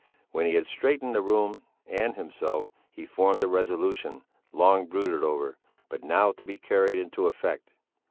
When he had straightened the room and himself, he formed a resolution, long brooded over, but now to be carried into effect.